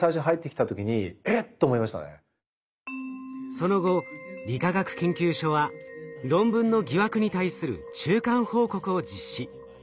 その後理化学研究所は論文の疑惑に対する中間報告を実施。